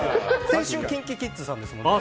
先週ＫｉｎＫｉＫｉｄｓさんですもんね。